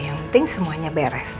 yang penting semuanya beres